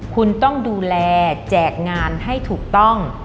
คุณต้องดูแลแจกงานให้ถูกต้อง